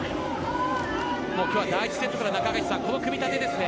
今日は第１セットからこの組み立てですね。